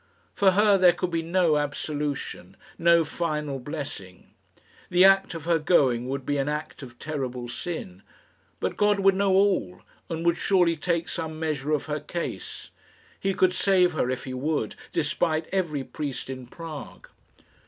For her there could be no absolution, no final blessing. The act of her going would be an act of terrible sin. But God would know all, and would surely take some measure of her case. He could save her if He would, despite every priest in Prague.